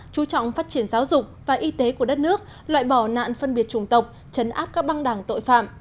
chú trọng phát triển giáo dục và y tế của đất nước loại bỏ nạn phân biệt chủng tộc chấn áp các băng đảng tội phạm